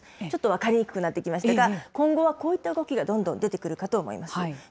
ちょっと分かりにくくなってきましたが、今後はこういった動きがどんどん出てくるかと思います。